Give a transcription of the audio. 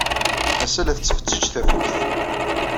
Ass-a, la tettfeǧǧiǧ tafukt.